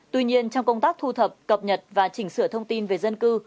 tuy nhiên trong công tác thu thập cập nhật và chỉnh sửa thông tin về dân cư